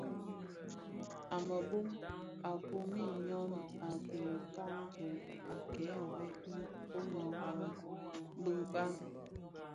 A mbembo a foňi ňyon a kikanzog a kè vëg koň ňyô a kiban.